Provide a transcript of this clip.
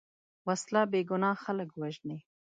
وسله بېګناه خلک وژني